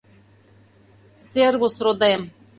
— Сервус, родем!